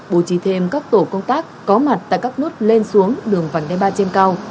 bố trí thêm các tổ công tác có mặt tại các nút lên xuống đường vành đai ba trên cao